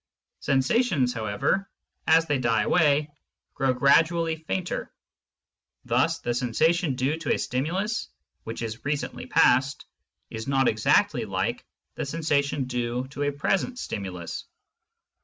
Sensations, however, as they die away, grow gradually fainter ; thus the sensation due to a stimulus which is recently past is not exactly like the sensation due to a present stimulus.